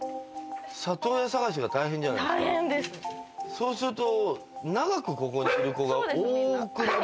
そうすると。